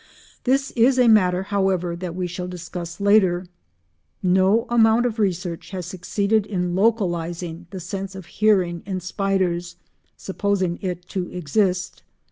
This is a matter, however, that we shall discuss later. No amount of research has succeeded in localising the sense of hearing in spiders, supposing it to exist.